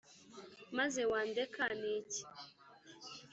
maze wandeka ni iki ‘